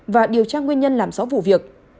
và điều tra nguyên nhân làm rõ vụ việc